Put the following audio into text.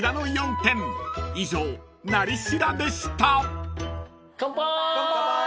［以上「なり調」でした］